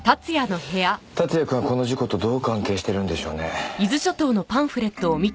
竜也くんはこの事故とどう関係してるんでしょうね。